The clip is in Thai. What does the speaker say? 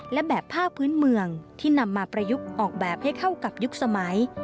และแบบผ้าพื้นเมืองที่นำมาประยุกต์ออกแบบให้เข้ากับยุคสมัย